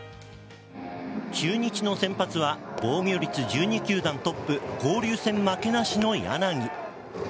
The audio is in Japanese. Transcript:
中日の先発は防御率１２球団トップ交流戦負けなしの柳。